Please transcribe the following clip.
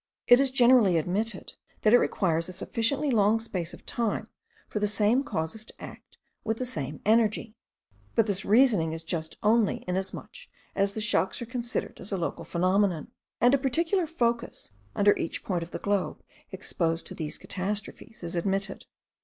It is generally admitted, that it requires a sufficiently long space of time for the same causes to act with the same energy; but this reasoning is just only inasmuch as the shocks are considered as a local phenomenon; and a particular focus, under each point of the globe exposed to those great catastrophes, is admitted.